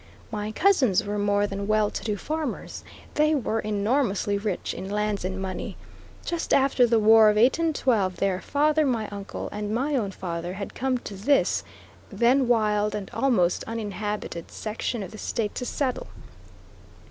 My cousins were more than well to do farmers; they were enormously rich in lands and money. Just after the war of 1812, their father, my uncle, and my own father, had come to this, then wild and almost uninhabited, section of the State to settle.